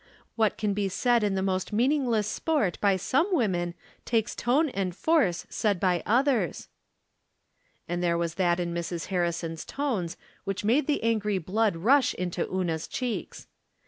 What can be said in the most meaningless sport by some women takes tone and force said by others." And there was that in Mrs. Harrison's tones which made the angry blood rush into Una's cheeks.